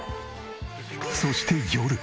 そして夜。